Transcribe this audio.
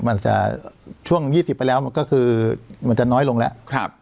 มันจะช่วงยี่สิบไปแล้วมันก็คือมันจะน้อยลงแล้วครับ